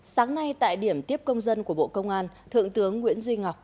sáng nay tại điểm tiếp công dân của bộ công an thượng tướng nguyễn duy ngọc